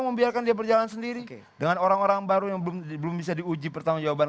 membiarkan dia berjalan sendiri dengan orang orang baru yang belum belum bisa diuji pertanggungjawaban